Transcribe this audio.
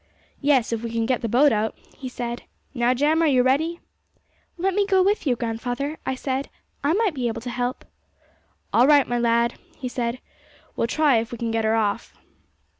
'Yes, if we can get the boat out,' he said. 'Now, Jem, are you ready?' 'Let me go with you, grandfather,' I said; 'I might be able to help.' 'All right, my lad,' he said; 'we'll try if we can get her off.'